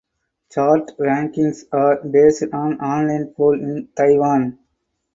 Chart rankings are based on online poll in Taiwan.